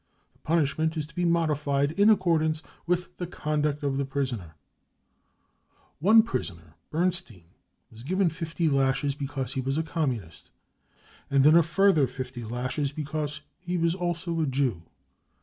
The punishment is to be modified in accordance with the conduct of die prisoner One prisoner, Bernstein, was given fifty lashes because he was a Communist, and then a further fifty lashes because he was " also a Jew."